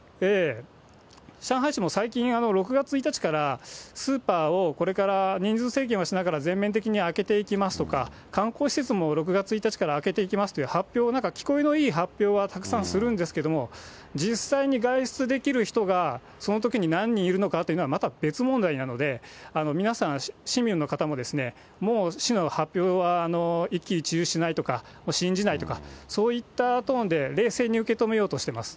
上海市も最近、６月１日から、スーパーをこれから人数制限をしながら全面的に開けていきますとか、観光施設も６月１日から開けていきますという発表は、聞こえのいい発表はたくさんするんですけれども、実際に外出できる人がそのときに何人いるのかというのは、また別問題なので、皆さん、市民の方も、もう市の発表は一喜一憂しないとか、信じないとか、そういったトーンで冷静に受け止めようとしています。